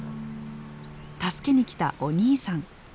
助けにきたお兄さん。